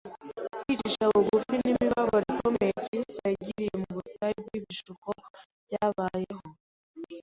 Kwicisha bugufi n’imibabaro ikomeye Kristo yagiriye mu butayu bw’ibishuko byabayeho